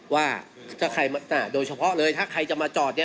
ว่าถ้าใครโดยเฉพาะเลยถ้าใครจะมาจอดเนี่ย